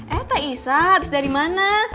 eh teh isa abis dari mana